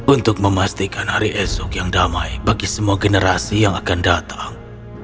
untuk memastikan hari esok yang damai bagi semua generasi yang akan datang